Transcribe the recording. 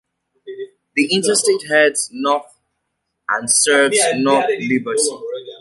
The interstate heads north and serves North Liberty.